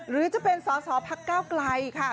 หรือจะเป็นสอสอพักก้าวไกลค่ะ